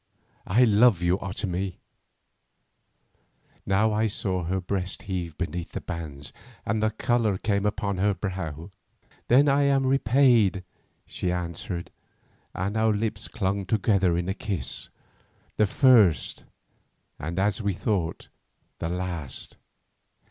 I love you, Otomie." Now I saw her breast heave beneath the bands and the colour come upon her brow. "Then I am repaid," she answered, and our lips clung together in a kiss, the first, and as we thought the last.